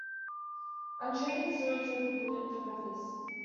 Untreated sewage would pollute the rivers.